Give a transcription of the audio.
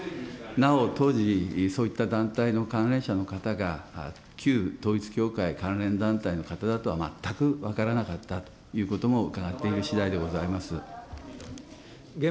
なお、当時、そういった団体の関連者の方が旧統一教会関連団体の方だとは全く分からなかったということも伺っているしだいでございます。